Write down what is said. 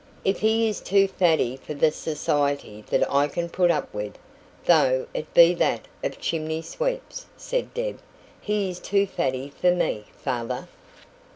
"If he is too faddy for the society that I can put up with, though it be that of chimney sweeps," said Deb, "he is too faddy for me, father."